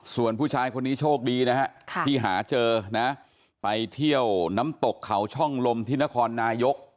ส่วนผู้ชายคนนี้โชคดีนะฮะที่หาเจอนะไปเที่ยวน้ำตกเขาช่องลมที่นครนายก